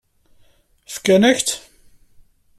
Fkan-ak-tt?